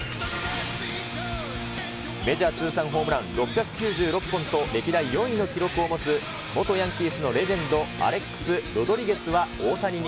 メジャー通算ホームラン６９６本と、歴代４位の記録を持つ、元ヤンキースのレジェンド、アレックス・ロドリゲスは大谷に